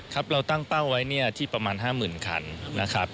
ครับเราตั้งเป้าไว้เนี่ยที่ประมาณ๕๐๐๐คันนะครับ